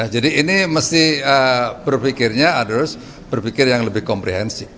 jadi ini mesti berpikirnya berpikir yang lebih komprehensif